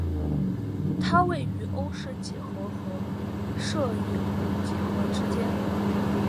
它位于欧氏几何和射影几何之间。